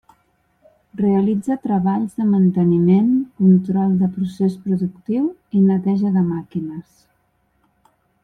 Realitza treballs de manteniment, control de procés productiu i neteja de màquines.